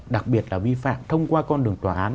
đặc biệt là vi phạm thông qua con đường tòa án